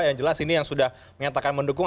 yang jelas ini yang sudah menyatakan mendukung